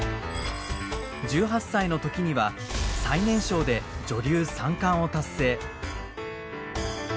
１８歳の時には最年少で女流三冠を達成。